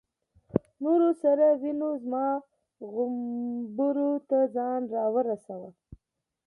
نورو سرو وینو زما غومبورو ته ځان را ورساوه.